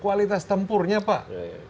kualitas tempurnya pak